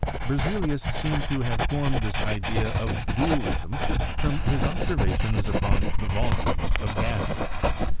Berzelius seemed to have formed this idea of dualism from his observations upon the vol umes of gases.